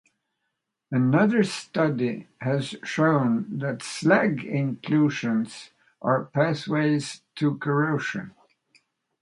Another study has shown that slag inclusions are pathways to corrosion.